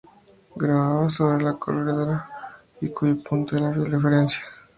Grabada sobre la corredera y cuyo punto cero es el fiel de referencia.